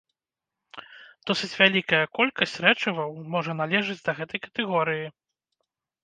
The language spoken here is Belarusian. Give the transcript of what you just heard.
Досыць вялікая колькасць рэчываў можа належаць да гэтай катэгорыі.